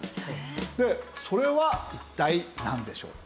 でそれは一体なんでしょう？